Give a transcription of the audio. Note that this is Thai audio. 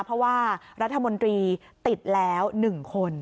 เพราะว่ารัฐมนตรีติดแล้ว๑คน